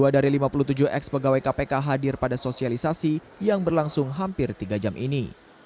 dua dari lima puluh tujuh ex pegawai kpk hadir pada sosialisasi yang berlangsung hampir tiga jam ini